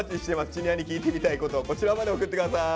Ｊｒ．に聞いてみたいことをこちらまで送って下さい。